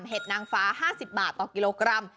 นางฟ้า๕๐บาทต่อกิโลกรัม